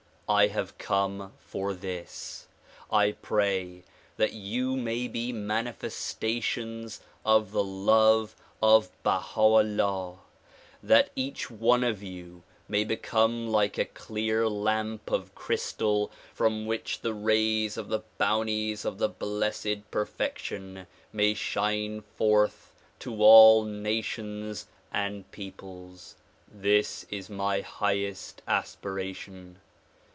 I have come for this. I pray that you may be manifesta tions of the love of Baha 'Ullah ; that each one of you may becomi^ like a clear lamp of crystal from which the rays of the bounties of the Blessed Perfection may shine forth to all nations and peoples. This is my highest aspiration.